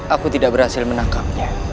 aku tidak berhasil menangkapnya